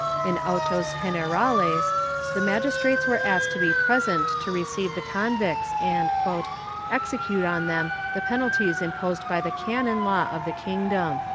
In autos generales, the magistrates were asked to be present to receive the convicts and '' execute on them the penalties imposed by the canon law of the kingdom."